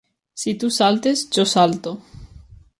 Si tu saltes, jo salto.